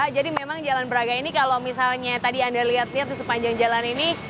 jadi memang jalan braga ini kalau misalnya tadi anda lihat setelah sepanjang jalan ini